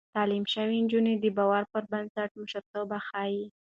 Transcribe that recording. تعليم شوې نجونې د باور پر بنسټ مشرتابه ښيي.